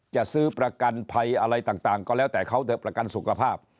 จะซื้อประกันภัยอะไรต่างก็แล้วแต่เขาจะประกันสุขภาพ